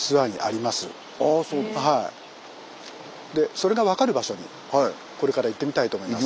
それが分かる場所にこれから行ってみたいと思います。